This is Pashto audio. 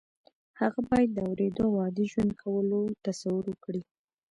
هغه باید د اورېدو او عادي ژوند کولو تصور وکړي